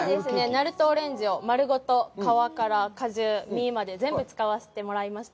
なるとオレンジを丸ごと皮から果汁、実まで全部使わせてもらいました。